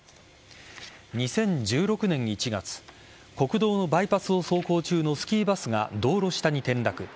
２０１６年１月国道のバイパスを走行中のスキーバスが道路下に転落。